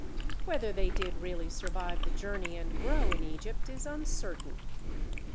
Whether they did really survive the journey and grow in Egypt is uncertain.